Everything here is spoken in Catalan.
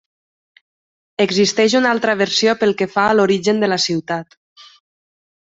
Existeix una altra versió pel que fa a l'origen de la ciutat.